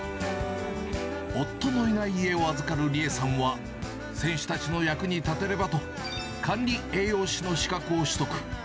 夫のいない家を預かる梨江さんは、選手たちの役に立てればと、管理栄養士の資格を取得。